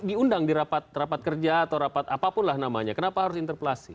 diundang di rapat kerja atau rapat apapun lah namanya kenapa harus interpelasi